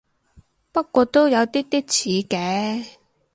不過都有啲啲似嘅